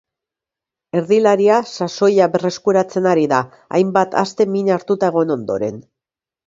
Erdilaria sasoia berreskuratzen ari da, hainbat aste min hartuta egon ondoren.